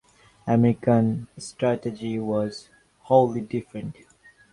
American strategy was wholly different.